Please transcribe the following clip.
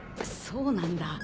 そうなんだ。